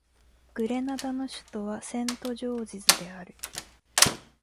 グレナダの首都はセントジョージズである